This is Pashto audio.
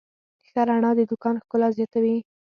ښه رڼا د دوکان ښکلا زیاتوي.